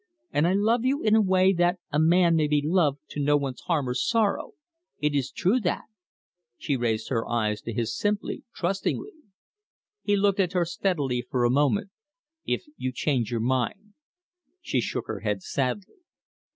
"And I love you in a way that a man may be loved to no one's harm or sorrow: it is true that!" She raised her eyes to his simply, trustingly. He looked at her steadily for a moment. "If you change your mind " She shook her head sadly.